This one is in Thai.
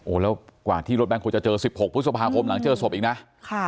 โอ้แล้วกว่าที่รถแบล็คโคจะเจอสิบหกพฤษภาคมหลังเจอสวบอีกนะค่ะ